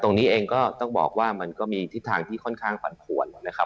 ตรงนี้เองก็ต้องบอกว่ามันก็มีทิศทางที่ค่อนข้างปันผวนนะครับ